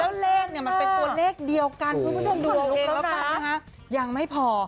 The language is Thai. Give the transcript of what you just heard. แล้วเลขเนี่ยมันเป็นตัวเลขเดียวกันคุณผู้ชมดูเอาเองแล้วกันนะคะยังไม่พอ